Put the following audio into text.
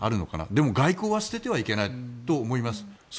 僕は外交は捨ててはいけないと思います。